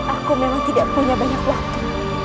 aku memang tidak punya banyak waktu